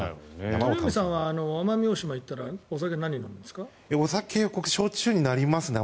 鳥海さんは奄美大島行ったらお酒何を飲みますか？